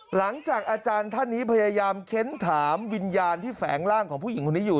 หลังจากอาจารย์ท่านนี้พยายามเค้นถามวิญญาณที่แฝงร่างของผู้หญิงคนนี้อยู่